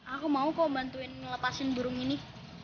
aku mau kok bantuin melepasin burung ini